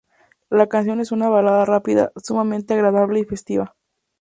La canción es una balada rápida sumamente agradable y festiva.